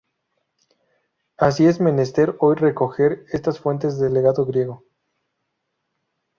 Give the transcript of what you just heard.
Así es menester hoy recoger estas fuentes del legado griego.